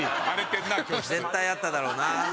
絶対あっただろうな。